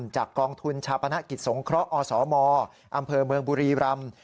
กองทุนชาปนกิจสงเคราะห์อสมอำเภอเมืองบุรีรำ